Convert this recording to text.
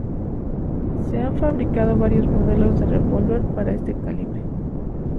Se han fabricado varios modelos de revólver para este calibre.